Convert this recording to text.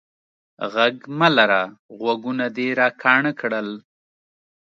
ږغ مه لره، غوږونه دي را کاڼه کړل.